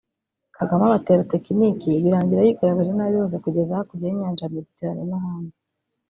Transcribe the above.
Kagame abatera tekiniki birangira yigaragaje nabi hose kugeza hakurya y’inyanja ya mediterane n’ahandi